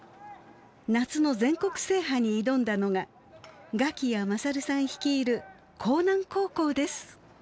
夏の全国制覇に挑んだのが我喜屋優さん率いる興南高校です。